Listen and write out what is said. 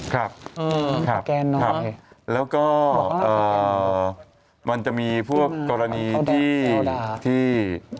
ครับแล้วก็มันจะมีพวกกรณีที่